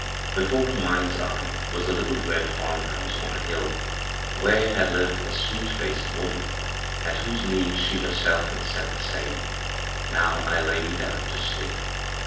Before her mind's eye was a litde red farmhouse on a hill where had lived a sweet bced woman at whose knee she herself had said that same " Now I lay me down to sleep."